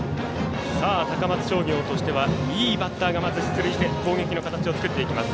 高松商業としてはいいバッターが出塁して攻撃の形を作っていきます。